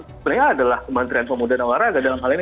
sebenarnya adalah kementerian pemuda dan olahraga dalam hal ini